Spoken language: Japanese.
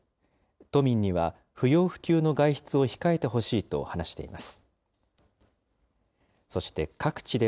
都民には不要不急の外出を控えてほしいと話しています。